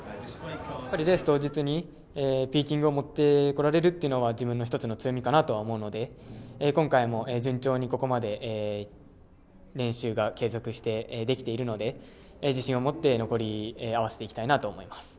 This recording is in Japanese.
レース当日にピーキングを持ってこれるっていうのは自分の一つの強みかなと思っているので、今回も順調にここまで練習が継続してできているので自信を持って残り合わせていきたいなと思います。